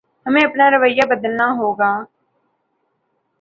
ہمیں اپنا رویہ بدلنا ہوگا۔